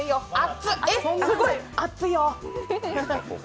え、すっごい熱いよ。